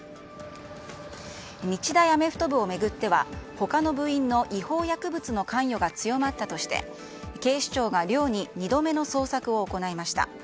日大アメフト部を巡っては他の部員の違法薬物の関与が強まったとして警視庁が寮に２度目の捜索を行いました。